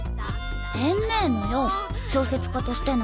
ペンネームよ小説家としての。